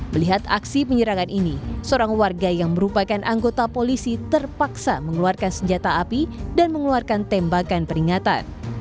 melihat aksi penyerangan ini seorang warga yang merupakan anggota polisi terpaksa mengeluarkan senjata api dan mengeluarkan tembakan peringatan